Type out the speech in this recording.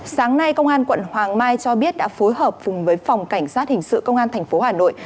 sáng nay công an quận hoàng mai cho biết đã phối hợp cùng với phòng cảnh sát hình sự công an tp hà nội